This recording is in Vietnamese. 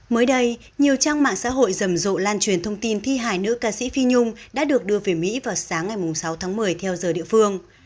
mới đây nhiều trang mạng xã hội rầm rộ lan truyền thông tin thi hài nữ ca sĩ phi nhung đã được đưa về mỹ vào sáng ngày sáu tháng một mươi theo giờ địa phương